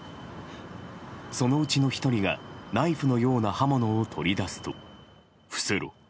そのうちの１人がナイフのような刃物を取り出すと。